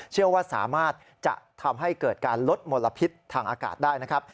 เชื่อว่าสามารถจะทำให้เกิดการลดมลพิษทางอากาศได้นะครับ